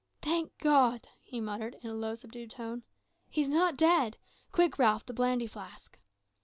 "Thank God," he muttered, in a low, subdued tone, "he's not dead! Quick, Ralph the brandy flask."